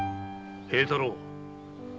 平太郎。